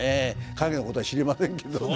陰のことは知りませんけどね。